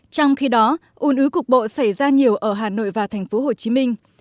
trong khi đó ủn ứ cục bộ xảy ra nhiều ở hà nội và thành phố hồ chí minh